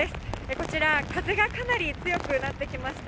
こちら、風がかなり強くなってきました。